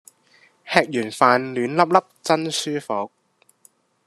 吃完飯暖粒粒真舒服